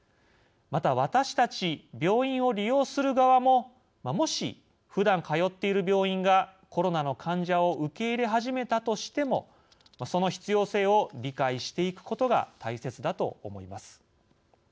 また、私たち病院を利用する側ももし、ふだん通っている病院がコロナの患者を受け入れ始めたとしてもその必要性を理解していくことが大切だと思います。